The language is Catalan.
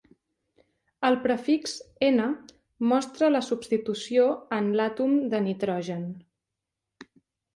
El prefix "N" mostra la substitució en l'àtom de nitrogen.